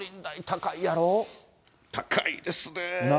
高いですね。